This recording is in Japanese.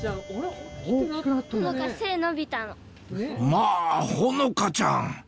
まぁほのかちゃん！